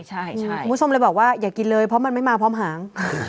คุณผู้ชมเลยบอกว่าอย่ากินเลยเพราะมันไม่มาพร้อมหาง